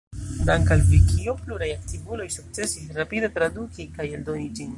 Dank'al Vikio, pluraj aktivuloj sukcesis rapide traduki kaj eldoni ĝin.